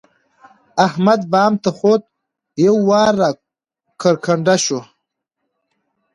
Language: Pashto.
احمد بام ته خوت؛ یو وار را کرکنډه شو.